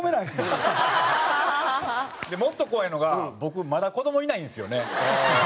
もっと怖いのが僕まだ子どもいないんですよね。